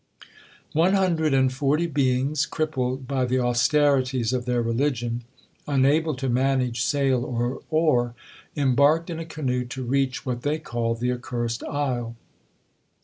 'One hundred and forty beings, crippled by the austerities of their religion, unable to manage sail or oar, embarked in a canoe to reach what they called the accursed isle.